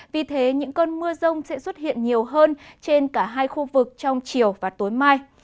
vì thế những cơn mưa rông sẽ xuất hiện nhiều hơn trên cả hai khu vực trong chiều và tối mai